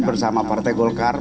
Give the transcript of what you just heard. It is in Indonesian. bersama partai golkar